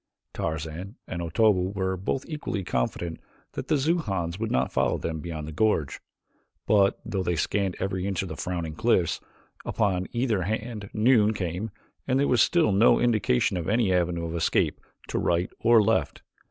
Tarzan and Otobu were both equally confident that the Xujans would not follow them beyond the gorge, but though they scanned every inch of the frowning cliffs upon either hand noon came and there was still no indication of any avenue of escape to right or left.